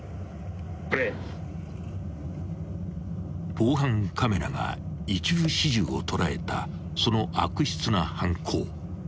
［防犯カメラが一部始終を捉えたその悪質な犯行それは］